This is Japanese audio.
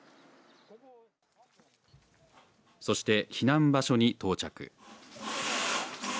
そして、避難場所に到着。